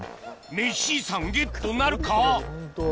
メシ遺産ゲットなるか？